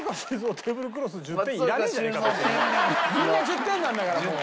みんな１０点なんだからもう。